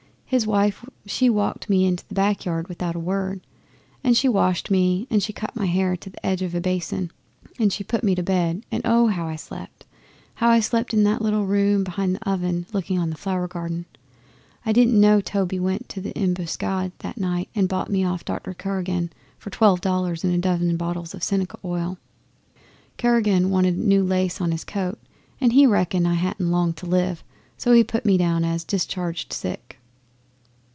His wife she walked me into the back yard without a word, and she washed me and she cut my hair to the edge of a basin, and she put me to bed, and oh! how I slept how I slept in that little room behind the oven looking on the flower garden! I didn't know Toby went to the Embuscade that night and bought me off Dr Karaguen for twelve dollars and a dozen bottles of Seneca Oil. Karaguen wanted a new lace to his coat, and he reckoned I hadn't long to live; so he put me down as "discharged sick."